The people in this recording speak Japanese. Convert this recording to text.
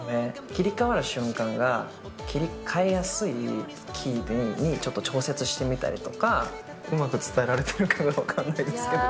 切り替わる瞬間が切り替えやすいキーにちょっと調節してみたりとか、うまく伝えられてるかどうか分からないですけど。